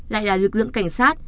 lại là lực lượng cảnh sát